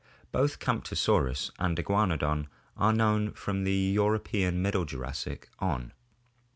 Both Camptosaurus and Iguanodon are known from the European Middle Jurassic on.